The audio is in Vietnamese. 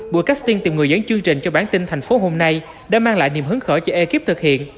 buổi casting tìm người dân chương trình cho bản tin thành phố hôm nay đã mang lại niềm hứng khởi cho ekip thực hiện